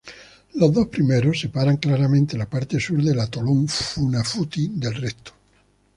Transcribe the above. Los dos primeros separan claramente la parte sur del atolón Funafuti del resto.